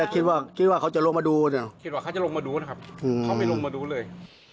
คิดว่าเขาจะลงมาดูนะครับเขาไม่ลงมาดูเลย